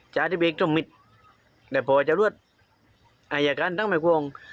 จารย์ที่เป็นอีกทรมมิตรและพอจะรวดอายการทั้งหมายกวง